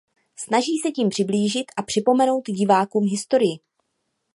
Snaží se tím přiblížit a připomenout divákům historii.